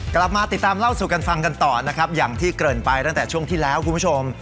กลับมาติดตามเล่าสู่กันฟังกันต่อนะครับอย่างที่เกริ่นไปตั้งแต่ช่วงที่แล้วคุณผู้ชม